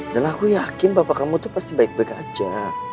dan aku yakin papa kamu tuh pasti baik baik aja